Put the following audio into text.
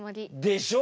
でしょ？